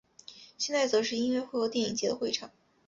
现在则是音乐会和电影节的会场。